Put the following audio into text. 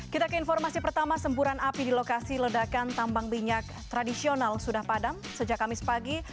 kita ke informasi pertama semburan api di lokasi ledakan tambang minyak tradisional sudah padam sejak kamis pagi